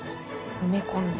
埋め込んで。